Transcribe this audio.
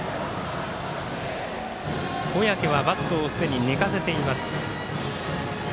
小宅はバットをすでに寝かせています。